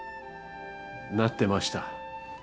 なってました。